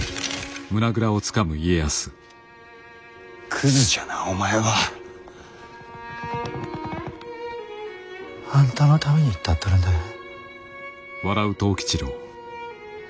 クズじゃなお前は。あんたのために言ったっとるんだがや。